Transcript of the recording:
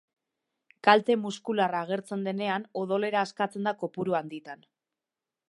Kalte muskularra agertzen denean odolera askatzen da kopuru handitan.